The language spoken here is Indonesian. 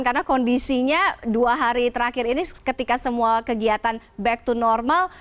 karena kondisinya dua hari terakhir ini ketika semua kegiatan back to normal